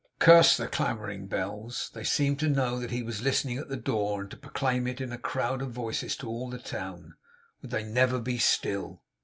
Curse the clamouring bells, they seemed to know that he was listening at the door, and to proclaim it in a crowd of voices to all the town! Would they never be still?